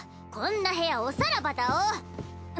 こんな部屋おさらばだお！